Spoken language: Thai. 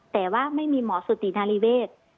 แต่ว่าไม่มีหมอสุตินารีเวศ